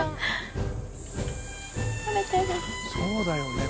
そうだよね。